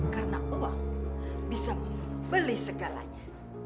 karena uang bisa membeli segalanya